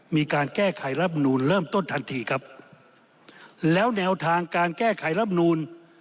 มีการแก้ไขรับนูลเริ่มต้นทันทีครับแล้วแนวทางการแก้ไขรับนูล